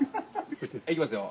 ・はいいきますよ。